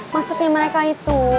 maksudnya mereka itu